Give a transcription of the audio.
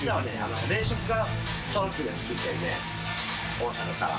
大阪から。